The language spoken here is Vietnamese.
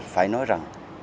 phải nói rằng